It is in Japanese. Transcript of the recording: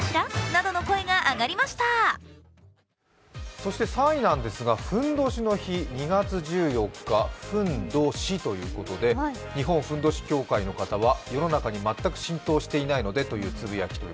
そして３位なんですがふんどしの日、２月１４日、日本ふんどし協会の方は、世の中に全く浸透していないというつぶやき。